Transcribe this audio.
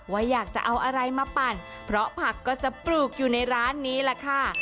ว่าอยากจะเอาอะไรมาปั่นเพราะผักก็จะปลูกอยู่ในร้านนี้แหละค่ะ